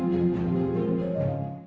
bisa dilihat dugaan hasilnya